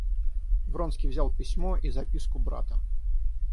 Вронский взял письмо и записку брата.